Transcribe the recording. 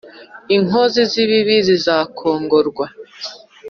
inkozi z’ibibi zizakongorwa